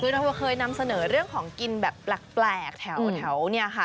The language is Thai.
คือเราเคยนำเสนอเรื่องของกินแบบแปลกแถวเนี่ยค่ะ